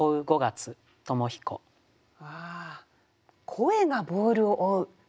「声がボールを追ふ」。